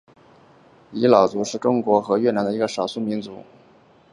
仡佬族是中国和越南的一个少数民族。